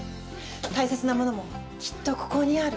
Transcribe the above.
大切なモノもきっとここにある。